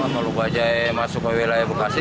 kalau bajaj masuk ke wilayah bekasi